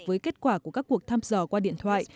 với kết quả của các cuộc thăm dò qua điện thoại